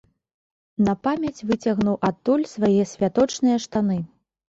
На памяць выцягнуў адтуль свае святочныя штаны.